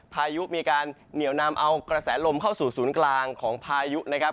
พายุมีการเหนียวนำเอากระแสลมเข้าสู่ศูนย์กลางของพายุนะครับ